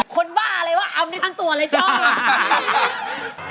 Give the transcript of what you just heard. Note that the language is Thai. คนบ้าเลยวะอำอยู่ทางตัวเลยจ้อง